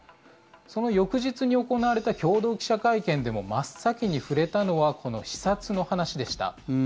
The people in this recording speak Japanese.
その翌日に行われた共同記者会見でも真っ先に触れたのはこの視察の話でした。